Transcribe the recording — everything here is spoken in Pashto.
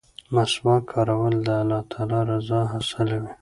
مسواک کارول د الله تعالی رضا حاصلوي.